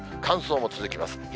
乾燥も続きます。